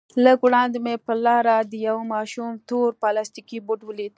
لږ وړاندې مې پر لاره د يوه ماشوم تور پلاستيكي بوټ وليد.